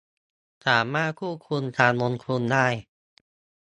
สามารถควบคุมการลงทุนได้